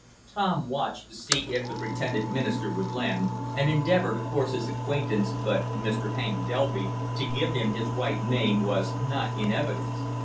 Tom watched to see if the pretended minister would land, and endeavor to force his acquaintance, but Mr. Hank Delby, to give him his right name, was not in evidence.